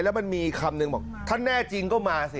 แล้วมันมีคำหนึ่งบอกถ้าแน่จริงก็มาสิ